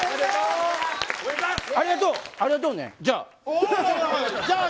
ありがとうね。